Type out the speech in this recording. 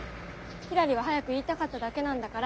ひらりは早く言いたかっただけなんだから。